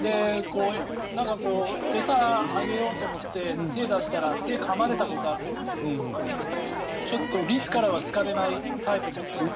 餌をあげようと思って手を出したら手をかまれたことがあってちょっとリスからは好かれないタイプみたいです。